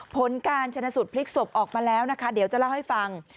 ผลการชนะสูตรพลิกศพออกมาแล้วนะคะเดี๋ยวจะเล่าให้ฟัง